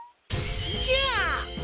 じゃあ。